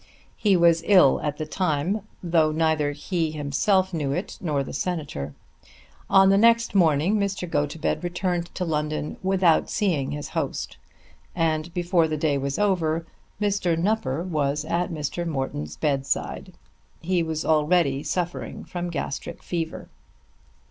He was ill at the time, though neither he himself knew it nor the Senator. On the next morning Mr. Gotobed returned to London without seeing his host, and before the day was over Mr. Nupper was at Morton's bedside. He was already suffering from gastric fever.